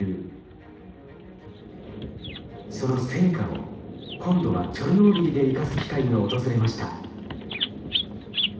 その成果を今度はチョルノービリで生かす機会が訪れました。